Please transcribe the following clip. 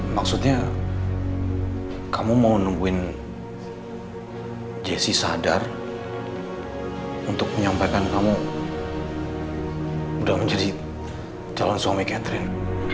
maksudnya kamu mau nungguin jesse sadar untuk menyampaikan kamu udah menjadi calon suami catherine